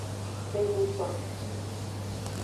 Enugban.